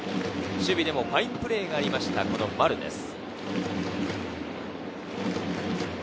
守備でもファインプレーがありました、丸です。